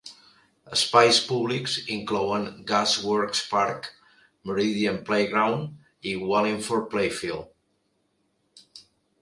Espais públics inclouen Gas Works Park, Meridian Playground i Wallingford playfield.